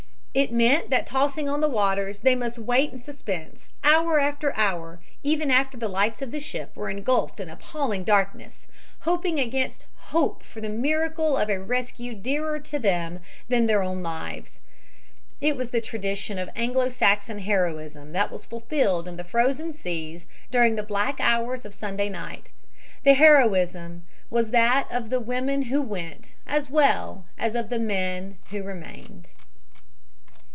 It meant that tossing on the waters they must wait in suspense, hour after hour even after the lights of the ship were engulfed in appalling darkness, hoping against hope for the miracle of a rescue dearer to them than their own lives. It was the tradition of Anglo Saxon heroism that was fulfilled in the frozen seas during the black hours of Sunday night. The heroism was that of the women who went, as well as of the men who remained!